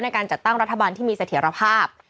ในการจัดตั้งรัฐบาลที่มีเสถียรภาพ